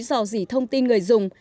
giò dỉ thông tin người dùng